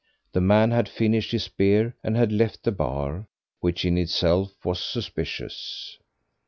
The man had finished his beer and had left the bar, which in itself was suspicious.